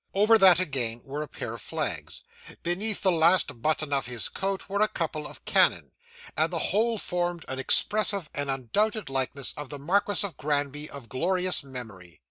Over that again were a pair of flags; beneath the last button of his coat were a couple of cannon; and the whole formed an expressive and undoubted likeness of the Marquis of Granby of glorious memory.